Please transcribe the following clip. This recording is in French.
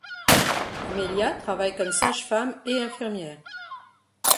Amelia travaille comme sage-femme et infirmière.